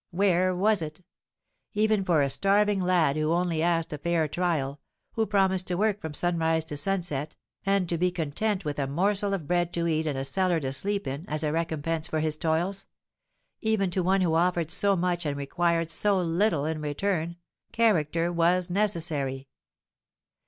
where was it? Even for a starving lad who only asked a fair trial—who promised to work from sunrise to sunset, and to be content with a morsel of bread to eat and a cellar to sleep in, as a recompense for his toils,—even to one who offered so much and required so little in return, character was necessary!